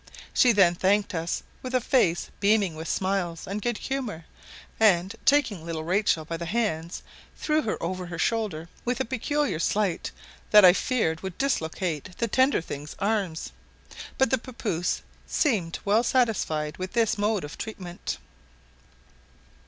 She then thanked us with a face beaming with smiles and good humour; and, taking little Rachel by the hands, threw her over her shoulder with a peculiar sleight that I feared would dislocate the tender thing's arms, but the papouse seemed well satisfied with this mode of treatment.